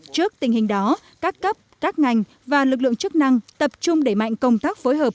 trước tình hình đó các cấp các ngành và lực lượng chức năng tập trung đẩy mạnh công tác phối hợp